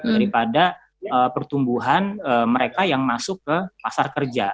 daripada pertumbuhan mereka yang masuk ke pasar kerja